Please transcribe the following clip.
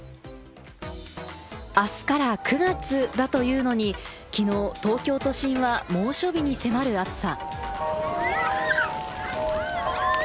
あすから９月だというのに、きのう東京都心は猛暑日に迫る暑さ。